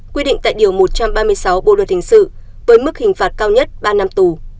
quy định tại điều một trăm ba mươi sáu bộ luật hình sự với mức hình phạt cao nhất ba năm tù